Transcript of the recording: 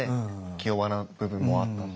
気弱な部分もあったと。